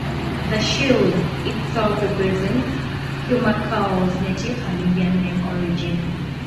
The shield itself represents Humacao's native and Indian name origin.